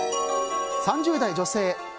３０代女性。